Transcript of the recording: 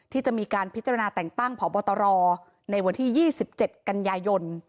ที่จะมีการพิจารณาแต่งตั้งพบตรในวันที่๒๗กันยายน